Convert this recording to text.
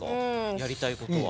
やりたいことは。